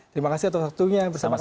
terima kasih satu satunya bersama kami